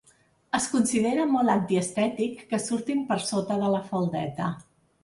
Es considera molt antiestètic que surtin per sota de la faldeta.